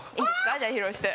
じゃあ披露して。